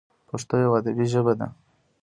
پښتو یوه ادبي ژبه ده.